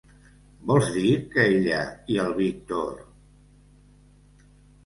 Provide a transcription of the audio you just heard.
Vols dir que ella i el Víctor...?